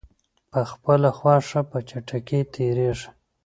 په خپله خوښه په چټکۍ تېریږي.